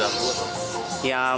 apa mengganggu atau